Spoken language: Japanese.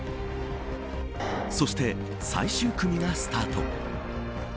そして最終組がスタート。